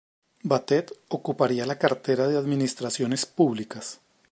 Batet ocuparía la cartera de Administraciones Públicas.